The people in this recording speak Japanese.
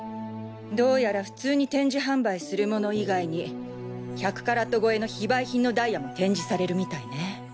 どうやら普通に展示販売するもの以外に１００カラット超えの非売品のダイヤも展示されるみたいね。